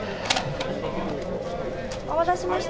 お待たせしました。